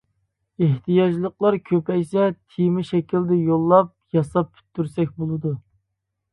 ئېھتىياجلىقلار كۆپەيسە تېما شەكلىدە يوللاپ ياساپ پۈتتۈرسەك بولىدۇ.